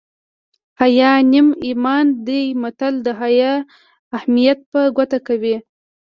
حیا نیم ایمان دی متل د حیا اهمیت په ګوته کوي